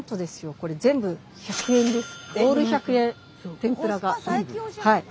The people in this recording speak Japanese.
これ全部１００円です。